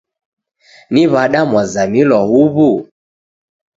Ni w'ada mwazamilwa huwu?